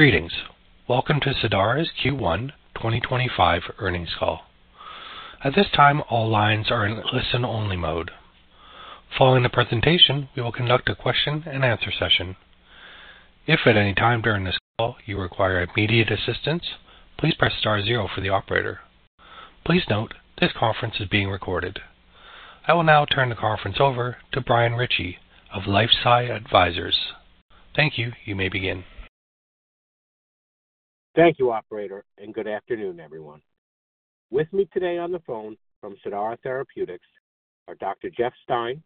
Greetings. Welcome to Cidara Therapeutics' Q1 2025 Earnings Call. At this time, all lines are in listen-only mode. Following the presentation, we will conduct a question-and-answer session. If at any time during this call you require immediate assistance, please press star zero for the operator. Please note this conference is being recorded. I will now turn the conference over to Brian Ritchie of LifeSci Advisors. Thank you. You may begin. Thank you, Operator, and good afternoon, everyone. With me today on the phone from Cidara Therapeutics are Dr. Jeff Stein,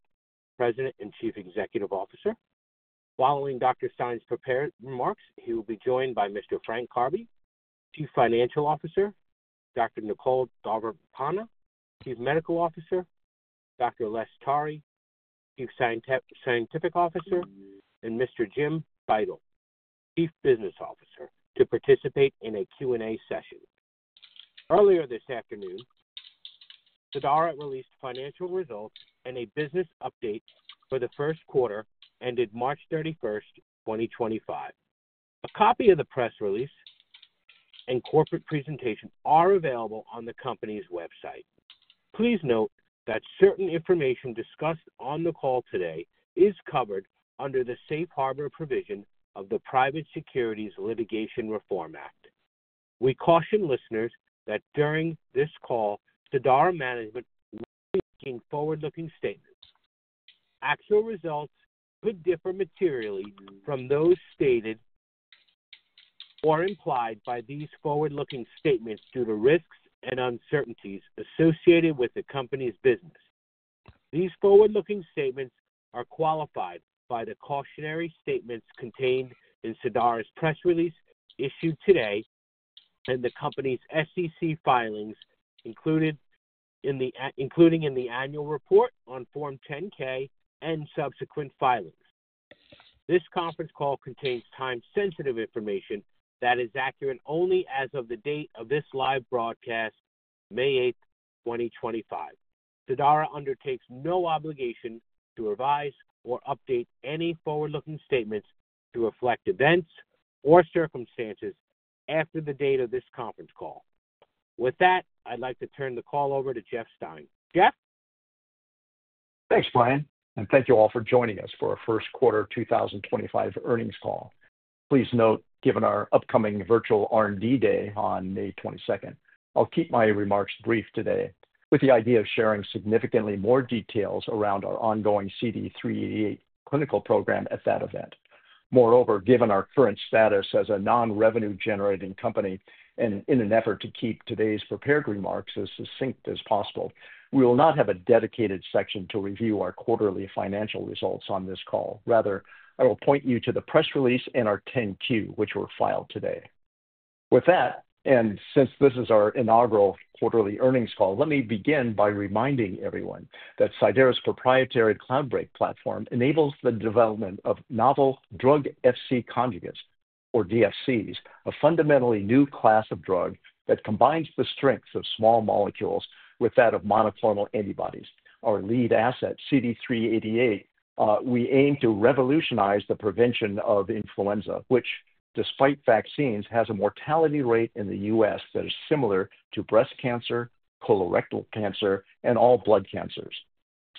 President and Chief Executive Officer. Following Dr. Stein's prepared remarks, he will be joined by Mr. Frank Karbe, Chief Financial Officer; Dr. Nicole Davarpanah, Chief Medical Officer; Dr. Les Tari, Chief Scientific Officer; and Mr. Jim Beitel, Chief Business Officer, to participate in a Q&A session. Earlier this afternoon, Cidara released financial results and a business update for the first quarter ended March 31, 2025. A copy of the press release and corporate presentation are available on the company's website. Please note that certain information discussed on the call today is covered under the safe harbor provision of the Private Securities Litigation Reform Act. We caution listeners that during this call, Cidara management will be making forward-looking statements. Actual results could differ materially from those stated or implied by these forward-looking statements due to risks and uncertainties associated with the company's business. These forward-looking statements are qualified by the cautionary statements contained in Cidara's press release issued today and the company's SEC filings included in the annual report on Form 10-K and subsequent filings. This conference call contains time-sensitive information that is accurate only as of the date of this live broadcast, May 8th, 2025. Cidara undertakes no obligation to revise or update any forward-looking statements to reflect events or circumstances after the date of this conference call. With that, I'd like to turn the call over to Jeff Stein. Jeff? Thanks, Brian. Thank you all for joining us for our First Quarter 2025 Earnings Call. Please note, given our upcoming virtual R&D day on May 22nd, I'll keep my remarks brief today with the idea of sharing significantly more details around our ongoing CD388 clinical program at that event. Moreover, given our current status as a non-revenue-generating company and in an effort to keep today's prepared remarks as succinct as possible, we will not have a dedicated section to review our quarterly financial results on this call. Rather, I will point you to the press release and our 10-Q, which were filed today. With that, and since this is our inaugural quarterly earnings call, let me begin by reminding everyone that Cidara's proprietary Cloudbreak platform enables the development of novel drug-Fc conjugates, or DFCs, a fundamentally new class of drug that combines the strengths of small molecules with that of monoclonal antibodies. Our lead asset, CD388, we aim to revolutionize the prevention of influenza, which, despite vaccines, has a mortality rate in the U.S. that is similar to breast cancer, colorectal cancer, and all blood cancers.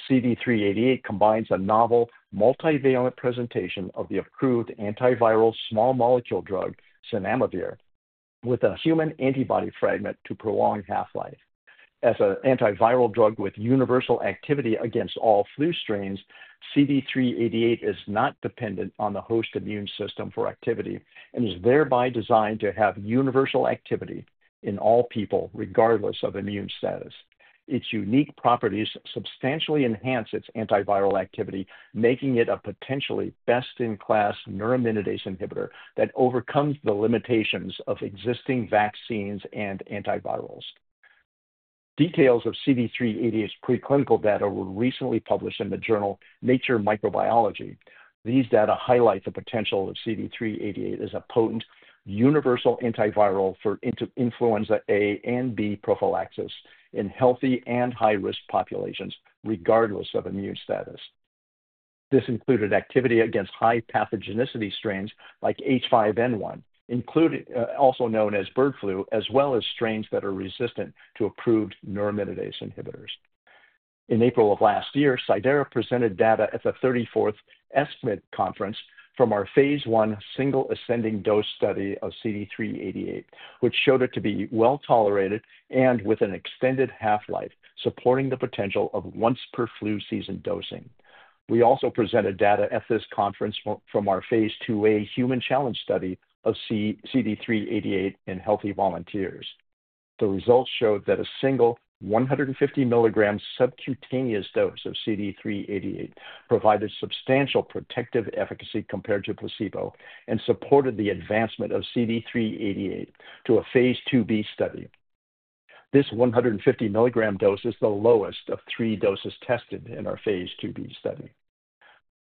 CD388 combines a novel multivalent presentation of the approved antiviral small molecule drug, zanamivir, with a human antibody fragment to prolong half-life. As an antiviral drug with universal activity against all flu strains, CD388 is not dependent on the host immune system for activity and is thereby designed to have universal activity in all people regardless of immune status. Its unique properties substantially enhance its antiviral activity, making it a potentially best-in-class neuraminidase inhibitor that overcomes the limitations of existing vaccines and antivirals. Details of CD388's preclinical data were recently published in the journal Nature Microbiology. These data highlight the potential of CD388 as a potent universal antiviral for influenza A and B prophylaxis in healthy and high-risk populations, regardless of immune status. This included activity against high-pathogenicity strains like H5N1, also known as bird flu, as well as strains that are resistant to approved neuraminidase inhibitors. In April of last year, Cidara presented data at the 34th ESCMID conference from our phase I single ascending dose study of CD388, which showed it to be well tolerated and with an extended half-life, supporting the potential of once-per-flu season dosing. We also presented data at this conference from our phase II A human challenge study of CD388 in healthy volunteers. The results showed that a single 150 milligram subcutaneous dose of CD388 provided substantial protective efficacy compared to placebo and supported the advancement of CD388 to a phase II B study. This 150 milligram dose is the lowest of three doses tested in our phase II B study.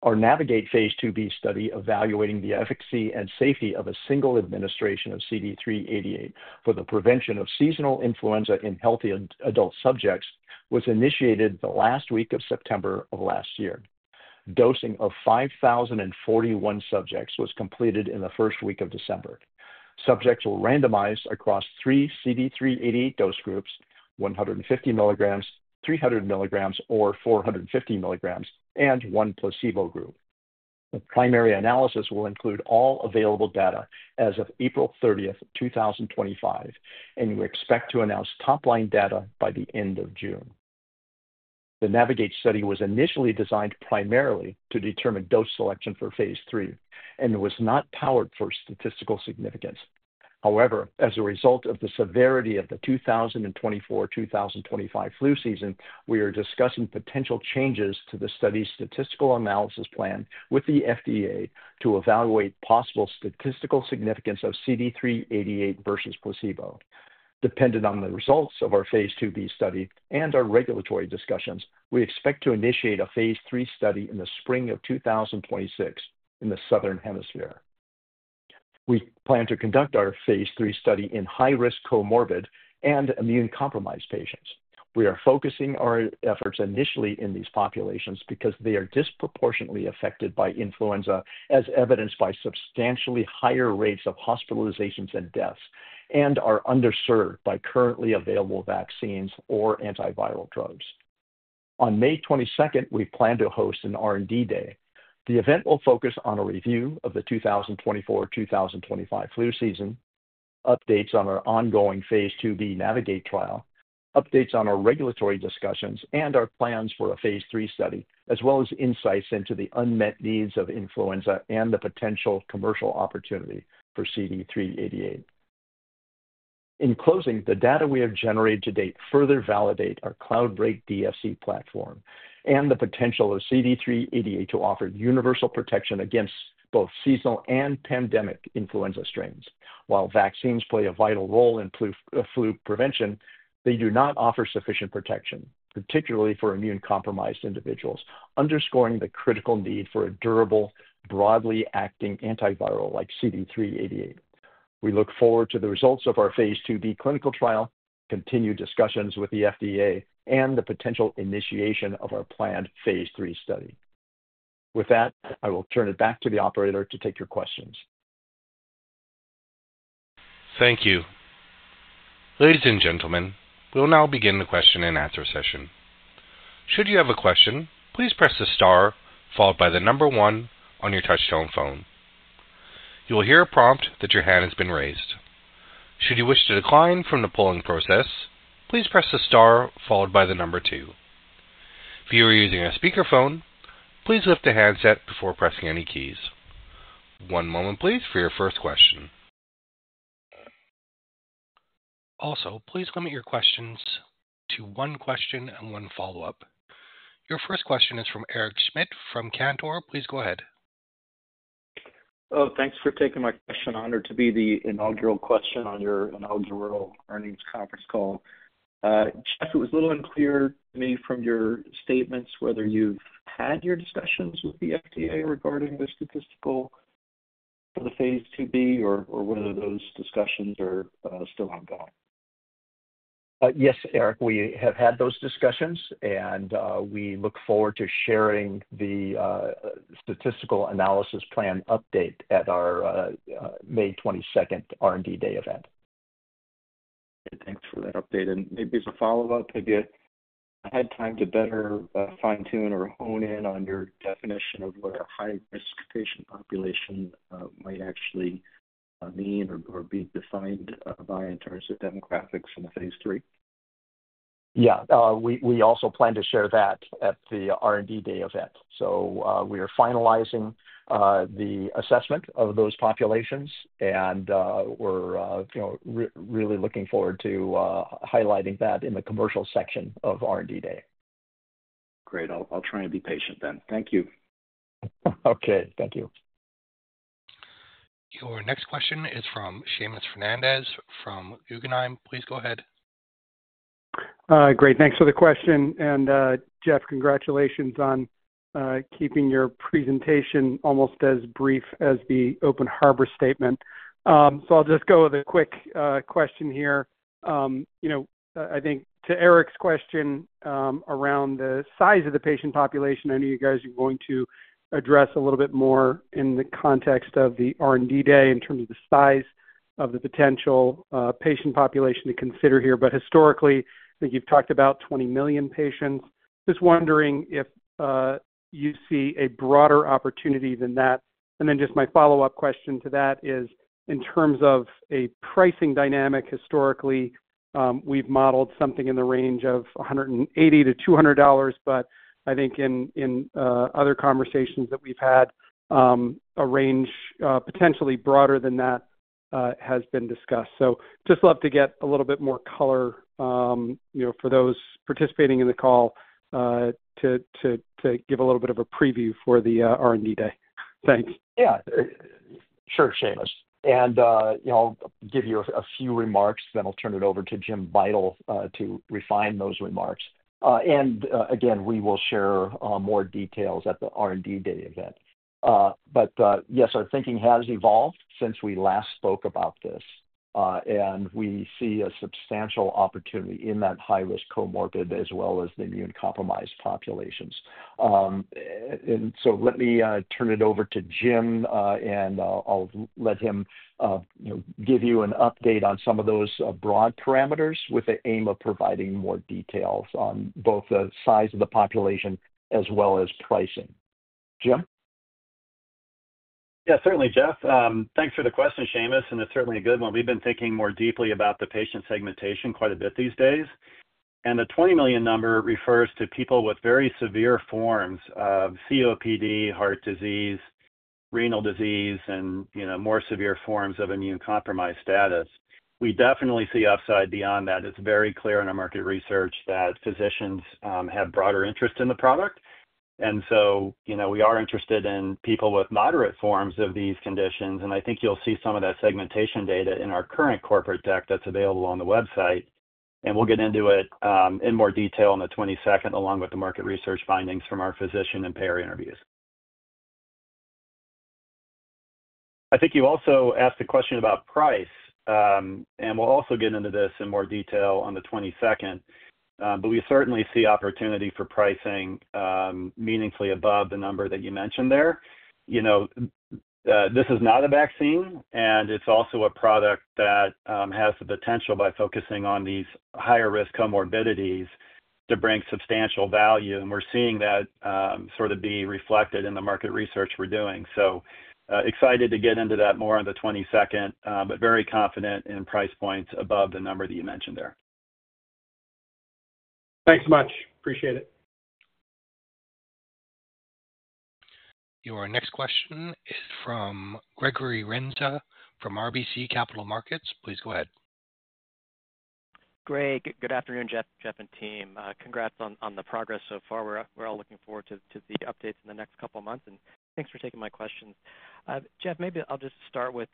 Our Navigate phase II B study, evaluating the efficacy and safety of a single administration of CD388 for the prevention of seasonal influenza in healthy adult subjects, was initiated the last week of September of last year. Dosing of 5,041 subjects was completed in the first week of December. Subjects were randomized across three CD388 dose groups: 150 milligrams, 300 milligrams, or 450 milligrams, and one placebo group. The primary analysis will include all available data as of April 30th, 2025, and we expect to announce top-line data by the end of June. The Navigate study was initially designed primarily to determine dose selection for phase III and was not powered for statistical significance. However, as a result of the severity of the 2024-2025 flu season, we are discussing potential changes to the study's statistical analysis plan with the FDA to evaluate possible statistical significance of CD388 versus placebo. Dependent on the results of our phase II B study and our regulatory discussions, we expect to initiate a phase III study in the spring of 2026 in the Southern Hemisphere. We plan to conduct our phase III study in high-risk comorbid and immune-compromised patients. We are focusing our efforts initially in these populations because they are disproportionately affected by influenza, as evidenced by substantially higher rates of hospitalizations and deaths, and are underserved by currently available vaccines or antiviral drugs. On May 22nd, we plan to host an R&D day. The event will focus on a review of the 2024-2025 flu season, updates on our ongoing phase II B Navigate trial, updates on our regulatory discussions, and our plans for a phase III study, as well as insights into the unmet needs of influenza and the potential commercial opportunity for CD388. In closing, the data we have generated to date further validate our Cloudbreak DFC platform and the potential of CD388 to offer universal protection against both seasonal and pandemic influenza strains. While vaccines play a vital role in flu prevention, they do not offer sufficient protection, particularly for immune-compromised individuals, underscoring the critical need for a durable, broadly acting antiviral like CD388. We look forward to the results of our phase II B clinical trial, continued discussions with the FDA, and the potential initiation of our planned phase III study. With that, I will turn it back to the Operator to take your questions. Thank you. Ladies and gentlemen, we'll now begin the question and answer session. Should you have a question, please press the star followed by the number one on your touch-tone phone. You will hear a prompt that your hand has been raised. Should you wish to decline from the polling process, please press the star followed by the number two. If you are using a speakerphone, please lift the handset before pressing any keys. One moment, please, for your first question. Also, please limit your questions to one question and one follow-up. Your first question is from Eric Schmidt from Cantor Fitzgerald. Please go ahead. Oh, thanks for taking my question. Honored to be the inaugural question on your inaugural earnings conference call. Jeff, it was a little unclear to me from your statements whether you've had your discussions with the FDA regarding the statistical for the phase II B or whether those discussions are still ongoing. Yes, Eric, we have had those discussions, and we look forward to sharing the statistical analysis plan update at our May 22nd R&D day event. Thanks for that update. Maybe as a follow-up, if you had time to better fine-tune or hone in on your definition of what a high-risk patient population might actually mean or be defined by in terms of demographics in the phase III. Yeah, we also plan to share that at the R&D day event. We are finalizing the assessment of those populations, and we're really looking forward to highlighting that in the commercial section of R&D day. Great. I'll try and be patient then. Thank you. Okay. Thank you. Your next question is from Seamus Fernandez from Guggenheim. Please go ahead. Great. Thanks for the question. Jeff, congratulations on keeping your presentation almost as brief as the open harbor statement. I'll just go with a quick question here. I think to Eric's question around the size of the patient population, I know you guys are going to address a little bit more in the context of the R&D day in terms of the size of the potential patient population to consider here. Historically, I think you've talked about 20 million patients. Just wondering if you see a broader opportunity than that. My follow-up question to that is, in terms of a pricing dynamic, historically, we've modeled something in the range of $180-$200, but I think in other conversations that we've had, a range potentially broader than that has been discussed. Just love to get a little bit more color for those participating in the call to give a little bit of a preview for the R&D day. Thanks. Yeah. Sure, Seamus. I'll give you a few remarks, then I'll turn it over to Jim Beitel to refine those remarks. Again, we will share more details at the R&D day event. Yes, our thinking has evolved since we last spoke about this, and we see a substantial opportunity in that high-risk comorbid as well as the immune-compromised populations. Let me turn it over to Jim, and I'll let him give you an update on some of those broad parameters with the aim of providing more details on both the size of the population as well as pricing. Jim? Yeah, certainly, Jeff. Thanks for the question, Seamus, and it's certainly a good one. We've been thinking more deeply about the patient segmentation quite a bit these days. The 20 million number refers to people with very severe forms of COPD, heart disease, renal disease, and more severe forms of immune-compromised status. We definitely see upside beyond that. It's very clear in our market research that physicians have broader interest in the product. We are interested in people with moderate forms of these conditions, and I think you'll see some of that segmentation data in our current corporate deck that's available on the website. We'll get into it in more detail on the 22nd, along with the market research findings from our physician and payer interviews. I think you also asked the question about price, and we'll also get into this in more detail on the 22nd. We certainly see opportunity for pricing meaningfully above the number that you mentioned there. This is not a vaccine, and it's also a product that has the potential, by focusing on these higher-risk comorbidities, to bring substantial value. We're seeing that sort of be reflected in the market research we're doing. Excited to get into that more on the 22nd, but very confident in price points above the number that you mentioned there. Thanks so much. Appreciate it. Your next question is from Gregory Renza from RBC Capital Markets. Please go ahead. Great. Good afternoon, Jeff and team. Congrats on the progress so far. We're all looking forward to the updates in the next couple of months, and thanks for taking my questions. Jeff, maybe I'll just start with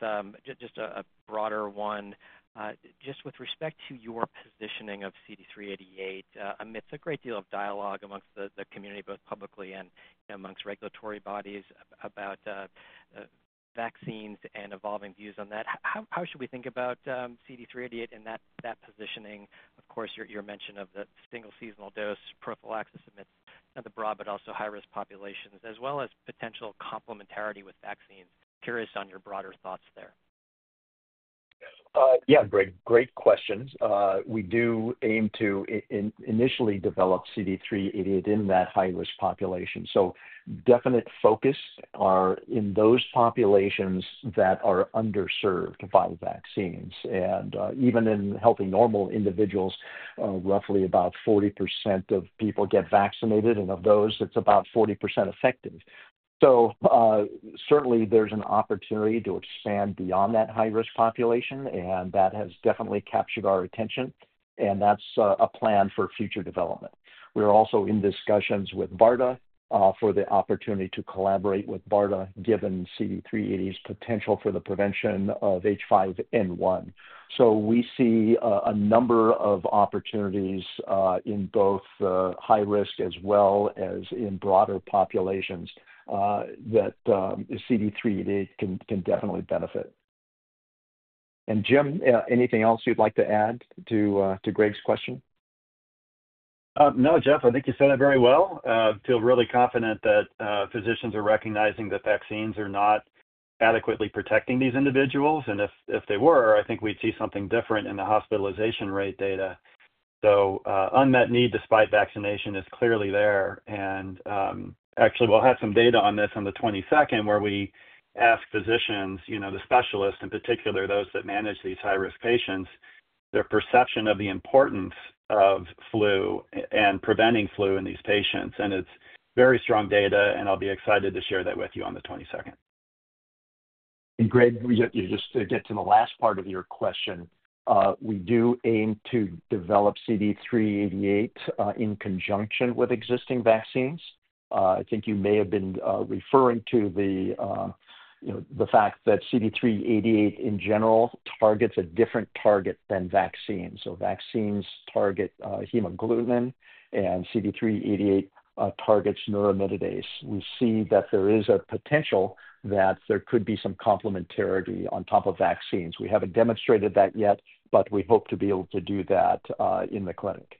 just a broader one. Just with respect to your positioning of CD388, it's a great deal of dialogue amongst the community, both publicly and amongst regulatory bodies, about vaccines and evolving views on that. How should we think about CD388 and that positioning? Of course, your mention of the single seasonal dose prophylaxis amidst the broad, but also high-risk populations, as well as potential complementarity with vaccines. Curious on your broader thoughts there. Yeah, great questions. We do aim to initially develop CD388 in that high-risk population. Definite focus are in those populations that are underserved by vaccines. Even in healthy normal individuals, roughly about 40% of people get vaccinated, and of those, it's about 40% effective. Certainly, there's an opportunity to expand beyond that high-risk population, and that has definitely captured our attention, and that's a plan for future development. We're also in discussions with BARDA for the opportunity to collaborate with BARDA given CD388's potential for the prevention of H5N1. We see a number of opportunities in both high-risk as well as in broader populations that CD388 can definitely benefit. Jim, anything else you'd like to add to Greg's question? No, Jeff, I think you said it very well. I feel really confident that physicians are recognizing that vaccines are not adequately protecting these individuals. If they were, I think we'd see something different in the hospitalization rate data. Unmet need despite vaccination is clearly there. Actually, we'll have some data on this on the 22nd where we ask physicians, the specialists in particular, those that manage these high-risk patients, their perception of the importance of flu and preventing flu in these patients. It is very strong data, and I'll be excited to share that with you on the 22nd. Greg, you just did get to the last part of your question. We do aim to develop CD388 in conjunction with existing vaccines. I think you may have been referring to the fact that CD388 in general targets a different target than vaccines. Vaccines target hemagglutinin, and CD388 targets neuraminidase. We see that there is a potential that there could be some complementarity on top of vaccines. We haven't demonstrated that yet, but we hope to be able to do that in the clinic.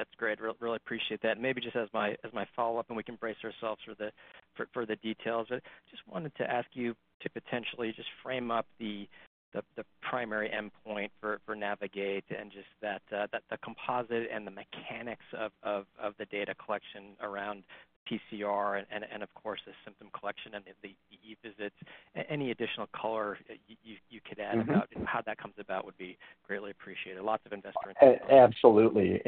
That's great. Really appreciate that. Maybe just as my follow-up, and we can brace ourselves for the details, but just wanted to ask you to potentially just frame up the primary endpoint for Navigate and just the composite and the mechanics of the data collection around the PCR and, of course, the symptom collection and the EE visits. Any additional color you could add about how that comes about would be greatly appreciated. Lots of investor interest. Absolutely.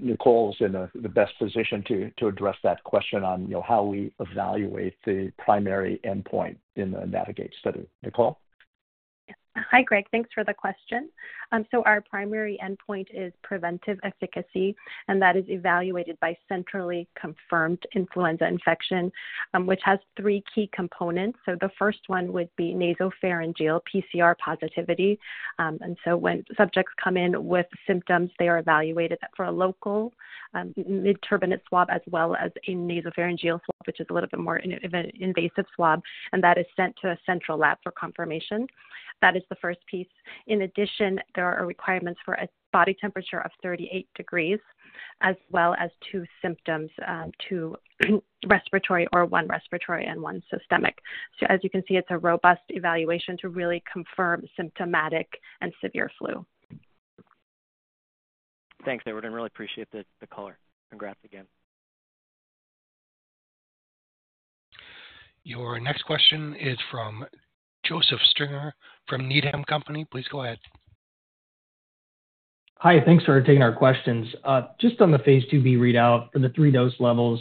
Nicole's in the best position to address that question on how we evaluate the primary endpoint in the Navigate study. Nicole? Hi, Greg. Thanks for the question. Our primary endpoint is preventive efficacy, and that is evaluated by centrally confirmed influenza infection, which has three key components. The first one would be nasopharyngeal PCR positivity. When subjects come in with symptoms, they are evaluated for a local mid-turbinate swab as well as a nasopharyngeal swab, which is a little bit more invasive swab, and that is sent to a central lab for confirmation. That is the first piece. In addition, there are requirements for a body temperature of 38 degrees as well as two symptoms, two respiratory or one respiratory and one systemic. As you can see, it's a robust evaluation to really confirm symptomatic and severe flu. Thanks, everyone. Really appreciate the color. Congrats again. Your next question is from Joseph Stringer from Needham & Company. Please go ahead. Hi. Thanks for taking our questions. Just on the phase II B readout for the three dose levels,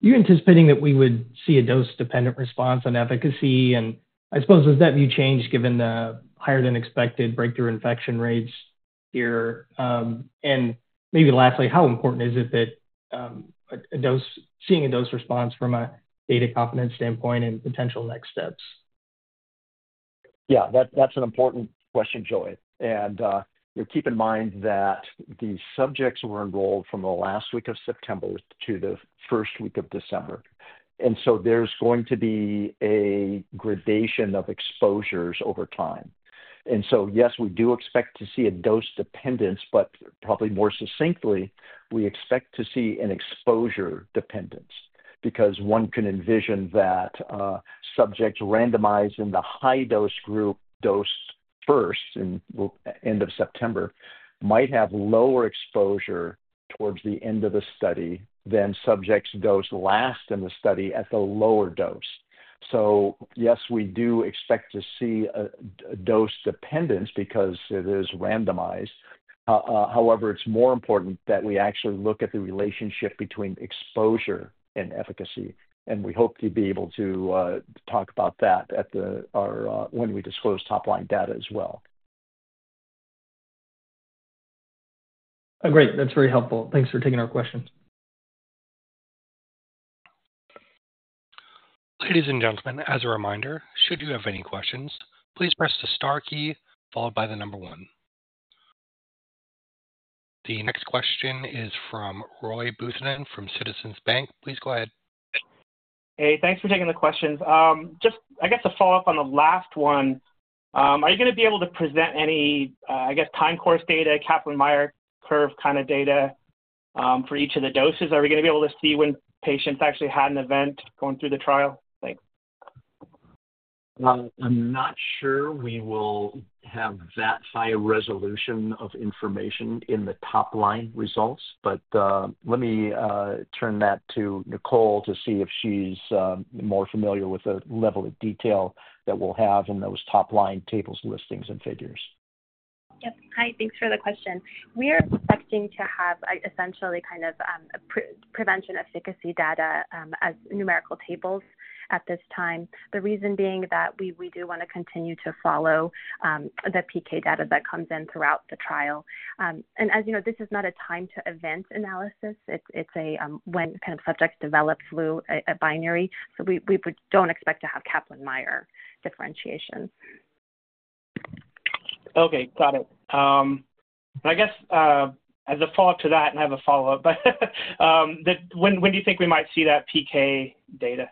you're anticipating that we would see a dose-dependent response on efficacy. I suppose, has that view changed given the higher-than-expected breakthrough infection rates here? Maybe lastly, how important is it that a dose—seeing a dose response from a data confidence standpoint and potential next steps? Yeah, that's an important question, Jo. Keep in mind that the subjects were enrolled from the last week of September to the first week of December. There's going to be a gradation of exposures over time. Yes, we do expect to see a dose dependence, but probably more succinctly, we expect to see an exposure dependence because one can envision that subjects randomized in the high-dose group dosed first in the end of September might have lower exposure towards the end of the study than subjects dosed last in the study at the lower dose. Yes, we do expect to see a dose dependence because it is randomized. However, it's more important that we actually look at the relationship between exposure and efficacy. We hope to be able to talk about that when we disclose top-line data as well. Great. That's very helpful. Thanks for taking our questions. Ladies and gentlemen, as a reminder, should you have any questions, please press the star key followed by the number one. The next question is from Roy Boothenin from Citizens Bank. Please go ahead. Hey, thanks for taking the questions. Just, I guess, to follow up on the last one, are you going to be able to present any, I guess, time course data, Kaplan-Meier curve kind of data for each of the doses? Are we going to be able to see when patients actually had an event going through the trial? Thanks. I'm not sure we will have that high resolution of information in the top-line results, but let me turn that to Nicole to see if she's more familiar with the level of detail that we'll have in those top-line tables, listings, and figures. Yep. Hi, thanks for the question. We are expecting to have essentially kind of prevention efficacy data as numerical tables at this time, the reason being that we do want to continue to follow the PK data that comes in throughout the trial. As you know, this is not a time-to-event analysis. It is a when kind of subjects develop flu binary. We do not expect to have Kaplan-Meier differentiation. Okay. Got it. I guess as a follow-up to that, and I have a follow-up, but when do you think we might see that PK data?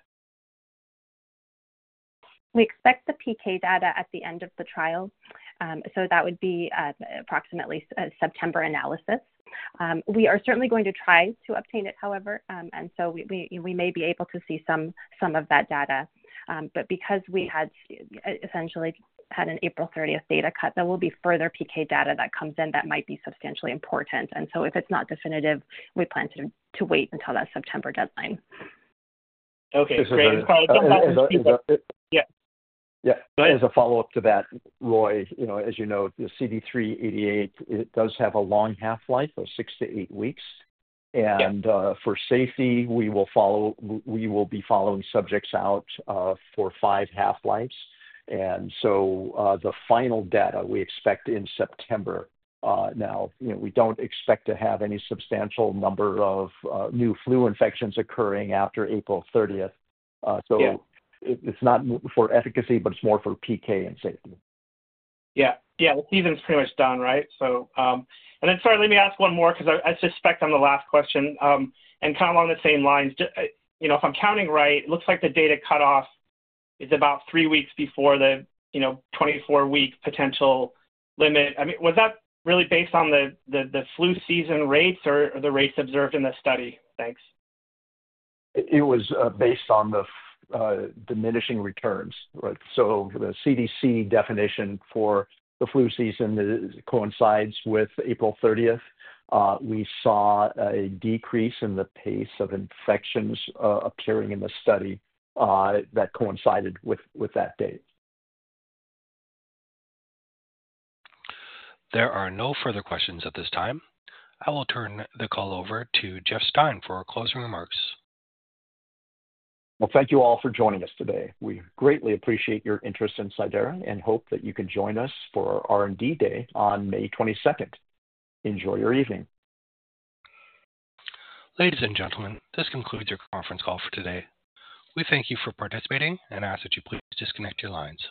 We expect the PK data at the end of the trial. That would be approximately September analysis. We are certainly going to try to obtain it, however. We may be able to see some of that data. Because we had essentially had an April 30 data cut, there will be further PK data that comes in that might be substantially important. If it's not definitive, we plan to wait until that September deadline. Okay. Great. Yeah. As a follow-up to that, Roy, as you know, the CD388, it does have a long half-life of six to eight weeks. For safety, we will be following subjects out for five half-lives. The final data we expect in September now, we do not expect to have any substantial number of new flu infections occurring after April 30th. It is not for efficacy, but it is more for PK and safety. Yeah. Yeah. Stephen's pretty much done, right? Sorry, let me ask one more because I suspect on the last question. Kind of along the same lines, if I'm counting right, it looks like the data cutoff is about three weeks before the 24-week potential limit. I mean, was that really based on the flu season rates or the rates observed in the study? Thanks. It was based on the diminishing returns. The CDC definition for the flu season coincides with April 30. We saw a decrease in the pace of infections appearing in the study that coincided with that date. There are no further questions at this time. I will turn the call over to Jeff Stein for closing remarks. Thank you all for joining us today. We greatly appreciate your interest in Cidara and hope that you can join us for our R&D day on May 22nd. Enjoy your evening. Ladies and gentlemen, this concludes your conference call for today. We thank you for participating and ask that you please disconnect your lines.